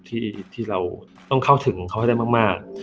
ที่เราต้องเข้าถึงเขาให้ได้มาก